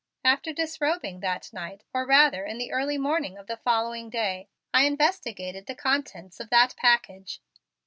After disrobing that night, or rather in the early morning of the following day, I investigated the contents of that package.